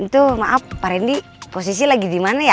tuh maaf pak rendy posisi lagi di mana ya